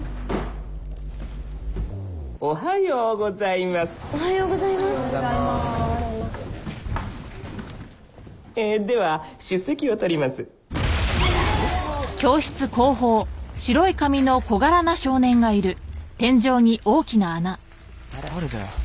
おはようございますおはようございますええでは出席を取ります誰だよ？